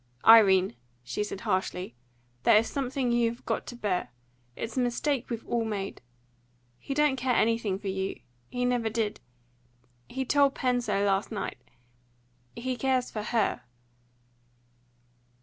"Irene!" she said harshly, "there is something you have got to bear. It's a mistake we've all made. He don't care anything for you. He never did. He told Pen so last night. He cares for her."